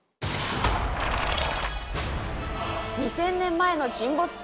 ２，０００年前の沈没船？